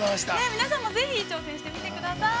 ◆皆さんもぜひ挑戦してみてください。